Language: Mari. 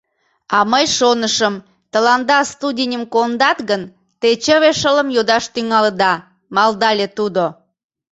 А мый шонышым, тыланда студеньым кондат гын, те чыве шылым йодаш тӱҥалыда, — малдале тудо.